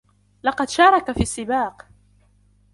لقد شارك في السباق.